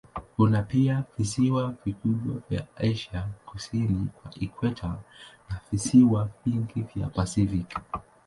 Kuna pia visiwa vikubwa vya Asia kusini kwa ikweta na visiwa vingi vya Pasifiki.